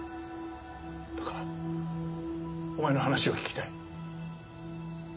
だからお前の話を聞きたい。